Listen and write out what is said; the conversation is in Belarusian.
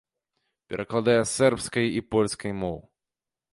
Перакладае з сербскай і польскай моў.